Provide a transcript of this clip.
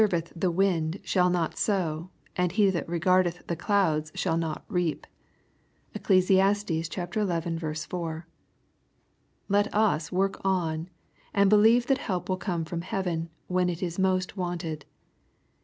85 eth the wind shall not sow, and he that regardeth the clouds shall not reap." (Eccles. xi. 4.) Let us work on, and believe that help will come from heaven, when it is most wanted.